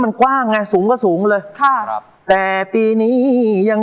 มารวมปิดทองพระดูดใจให้หาย